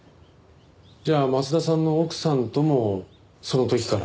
じゃあ松田さんの奥さんともその時から？